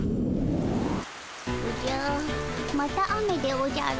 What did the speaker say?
おじゃまた雨でおじゃる。